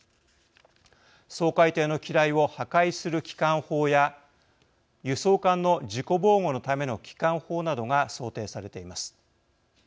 掃海艇の機雷を破壊する機関砲や輸送艦の自己防護のための機関砲などが想定されています。